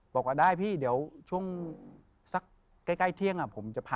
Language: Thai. บอกว่าได้พี่เดี๋ยวช่วงสักใกล้เที่ยงผมจะพา